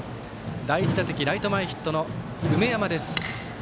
第１打席、ライト前ヒットの梅山。